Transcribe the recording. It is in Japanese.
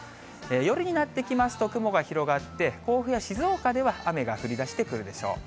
夜になってきますと、雲が広がって、甲府や静岡では雨が降りだしてくるでしょう。